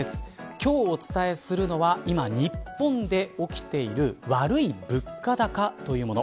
今日お伝えするのは今、日本で起きている悪い物価高というもの。